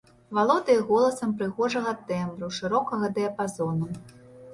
Валодае голасам прыгожага тэмбру, шырокага дыяпазону.